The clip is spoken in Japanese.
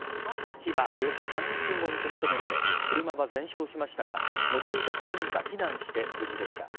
火は、およそ３０分後に消し止められ車は全焼しましたが乗っていた３人は避難して無事でした。